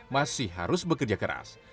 masih harus bekerja keras